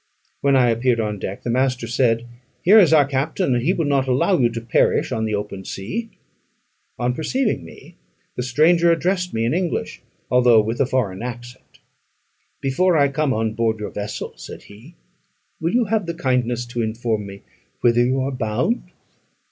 When I appeared on deck, the master said, "Here is our captain, and he will not allow you to perish on the open sea." On perceiving me, the stranger addressed me in English, although with a foreign accent. "Before I come on board your vessel," said he, "will you have the kindness to inform me whither you are bound?"